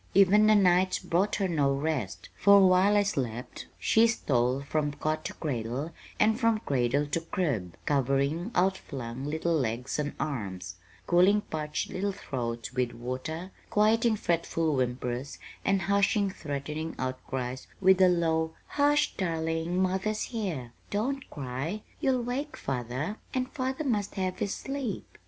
Even the nights brought her no rest, for while I slept, she stole from cot to cradle and from cradle to crib, covering outflung little legs and arms, cooling parched little throats with water, quieting fretful whimpers and hushing threatening outcries with a low 'Hush, darling, mother's here. Don't cry! You'll wake father and father must have his sleep.'